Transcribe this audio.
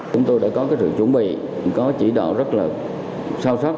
chúng tôi đã có sự chuẩn bị có chỉ đạo rất là sâu sắc